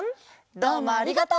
どうもありがとう！